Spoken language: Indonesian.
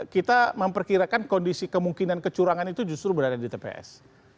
kita memperkirakan kondisi kemungkinan kecurangan itu justru berada di tps